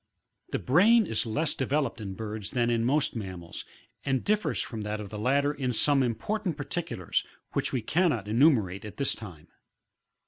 23. The brain is less developed in birds than in most mam mals, and differs from that of the latter in some important particulars, which we cannot enumerate at this time, 24.